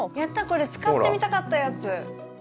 これ使ってみたかったやつ。